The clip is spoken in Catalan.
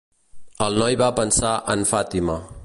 El noi va pensar en Fatima.